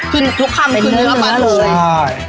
ขึ้นทุกคำขึ้นเนื้อปลาทู